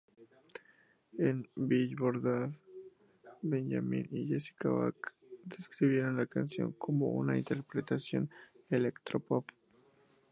En "Billboard", Benjamin y Jessica Oak describieron la canción como una interpretación de electropop.